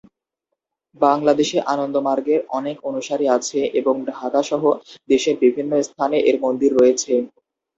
বাংলাদেশে আনন্দমার্গের অনেক অনুসারী আছে এবং ঢাকাসহ দেশের বিভিন্ন স্থানে এর মন্দির রয়েছে।